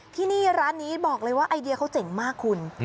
ที่นี่ร้านนี้บอกเลยว่าไอเดียเขาเจ๋งมากคุณ